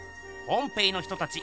ポンペイの人たち